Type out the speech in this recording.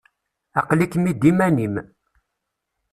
Aql-ikem-id iman-im.